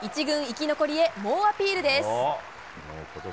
１軍生き残りへ猛アピールです。